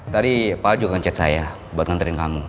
tadi pak al juga ngechat saya buat nganterin kamu